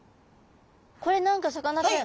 これ何かさかなクン